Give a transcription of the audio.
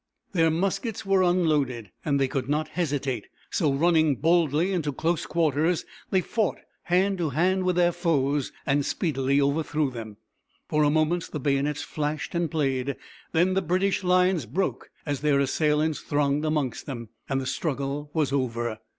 Their muskets were unloaded and they could not hesitate; so, running boldly into close quarters, they fought hand to hand with their foes and speedily overthrew them. For a moment the bayonets flashed and played; then the British lines broke as their assailants thronged against them, and the struggle was over.